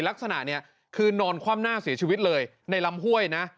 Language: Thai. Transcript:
ลักษณะเนี่ยคือนอนคว่ำหน้าเสียชีวิตเลยในลำห้วยนะ